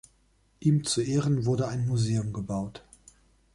Ihm zu Ehren wurde ein Museum gebaut.